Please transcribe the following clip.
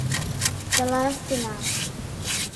Чыла ыштена.